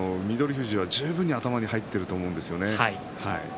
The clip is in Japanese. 富士は十分に頭に入っていると思うんですよね。